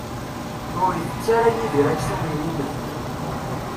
Ur itett ara Yidir aksum n yilef.